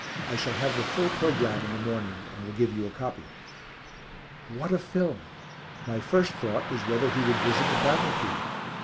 I shall have the full programme in the morning, and will give you a copy." What a film! My first thought was whether he would visit the battlefield.